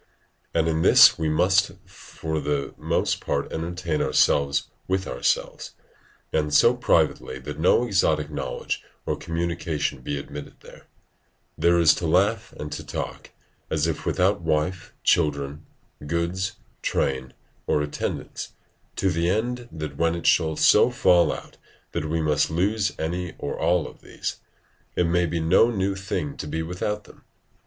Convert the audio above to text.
And in this we must for the most part entertain ourselves with ourselves, and so privately that no exotic knowledge or communication be admitted there; there to laugh and to talk, as if without wife, children, goods, train, or attendance, to the end that when it shall so fall out that we must lose any or all of these, it may be no new thing to be without them.